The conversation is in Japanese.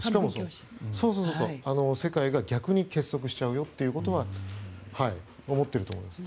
世界が逆に結束しちゃうよということは思っていると思います。